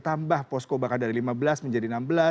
tambah posko bakal dari lima belas menjadi enam belas